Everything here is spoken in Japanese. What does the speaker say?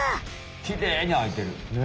きれいにあいてる。ね。